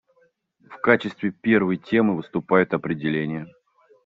В качестве первой темы выступают определения.